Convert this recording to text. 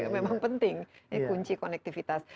memang penting kunci konektivitas